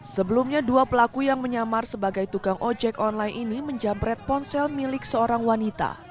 sebelumnya dua pelaku yang menyamar sebagai tukang ojek online ini menjamret ponsel milik seorang wanita